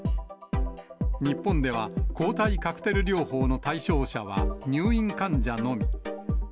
日本では抗体カクテル療法の対象者は入院患者のみ。